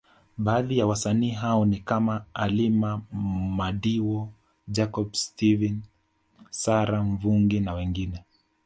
Baadhi ya wasanii hao ni kama Halima madiwa Jacob Steven Sara Mvungi na wengine